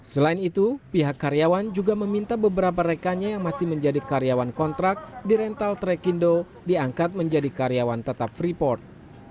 selain itu pihak karyawan juga meminta beberapa rekannya yang masih menjadi karyawan kontrak di rental trekindo diangkat menjadi karyawan tetap freeport